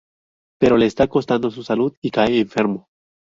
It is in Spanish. Pero le está costando su salud y cae enfermo.